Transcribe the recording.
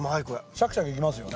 シャキシャキいきますよね。